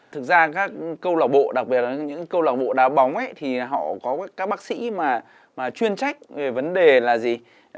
thực ra các câu lạc bộ đặc biệt là những câu lạc bộ đá bóng ấy thì họ có các bác sĩ mà chuyên trách về vấn đề là gì